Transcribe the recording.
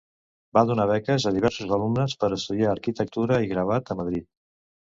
Va donar beques a diversos alumnes per estudiar arquitectura i gravat a Madrid.